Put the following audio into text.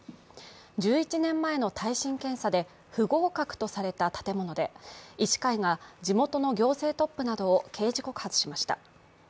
１１年前の耐震検査で不合格とされた建物で、医師会が地元の行政トップなどを刑事告発しました。